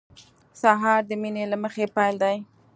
سهار د مینې له مخې پیل دی.